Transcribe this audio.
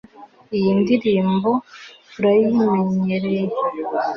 Iyi ndirimbo turayimenyereye